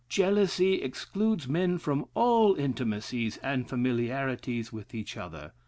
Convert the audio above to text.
Jealousy excludes men from all intimacies and familiarities with each other.